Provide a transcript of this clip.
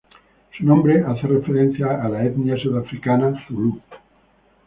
Su nombre hace referencia a la etnia sudafricana zulú.